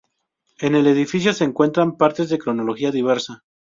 En el edificio se encuentran partes de cronología diversa.